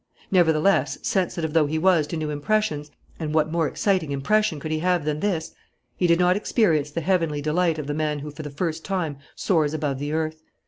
Nevertheless, sensitive though he was to new impressions and what more exciting impression could he have than this? he did not experience the heavenly delight of the man who for the first time soars above the earth.